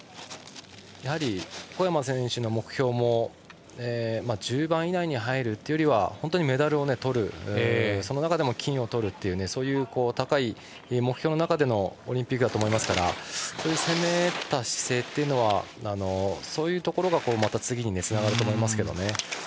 やはり小山選手の目標も１０番以内に入るというよりはメダルをとるその中でも金をとるというそういう高い目標の中でのオリンピックなので攻めた姿勢というのはそういうところがまた次につながると思いますけどね。